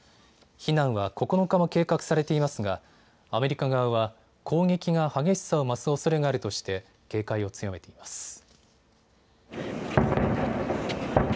避難は９日も計画されていますがアメリカ側は攻撃が激しさを増すおそれがあるとして警戒を強めています。